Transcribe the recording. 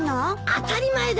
当たり前だ！